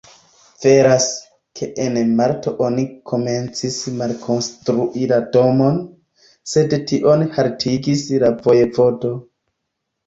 Veras, ke en marto oni komencis malkonstrui la domon, sed tion haltigis la vojevodo.